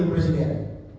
dan memiliki kekuasaan